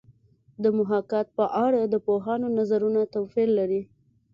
د محاکات په اړه د پوهانو نظرونه توپیر لري